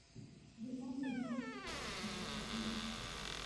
ګلان د مور ورځ لپاره ډالۍ کیږي.